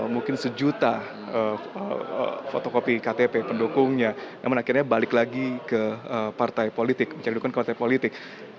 mungkin sejuta fotokopi ktp pendukungnya namun akhirnya balik lagi ke partai politik mencari dukungan ke partai politik